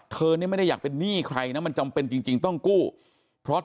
เธอนี่ไม่ได้อยากเป็นหนี้ใครนะมันจำเป็นจริงต้องกู้เพราะ